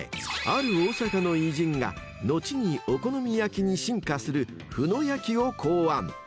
［ある大阪の偉人が後にお好み焼きに進化する麩の焼を考案］